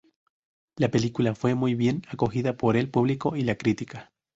La película fue muy bien acogida por el público y la crítica.